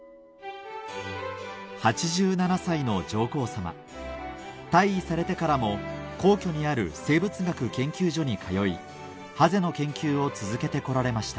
８７歳の上皇さま退位されてからも皇居にある生物学研究所に通いハゼの研究を続けて来られました